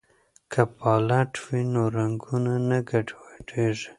که پالت وي نو رنګونه نه ګډوډیږي.